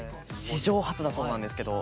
史上初だそうなんですけど。